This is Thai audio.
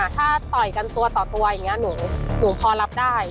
ถ้าต่อยกันตัวต่อตัวอย่างนี้หนูพอรับได้